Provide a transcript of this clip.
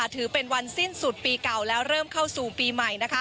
ถือเป็นวันสิ้นสุดปีเก่าแล้วเริ่มเข้าสู่ปีใหม่